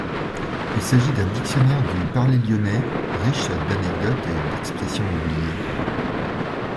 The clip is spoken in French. Il s'agit d'un dictionnaire du parler lyonnais, riche d'anecdotes et d'expressions oubliées.